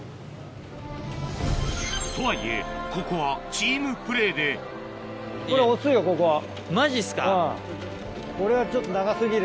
とはいえここはチームプレーでこれはちょっと長過ぎる。